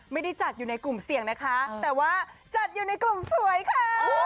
ไม่ได้จัดอยู่ในกลุ่มเสี่ยงนะคะแต่ว่าจัดอยู่ในกลุ่มสวยค่ะ